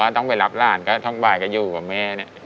อ๋อต้องไปรับร่านก็ต้องบ่ายกับยูกับแม่เนี่ย